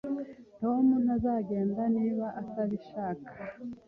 Tom ntazagenda niba utabishaka